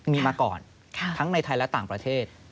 มีมาก่อนทั้งในไทยและต่างประเทศ